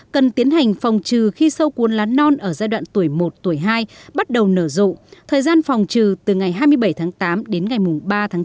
cần tiến hành phòng trừ khi sâu cuốn lá non ở giai đoạn tuổi một tuổi hai bắt đầu nở rộ thời gian phòng trừ từ ngày hai mươi bảy tháng tám đến ngày ba tháng tám